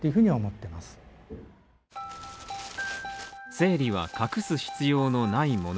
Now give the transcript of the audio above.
生理は隠す必要のないもの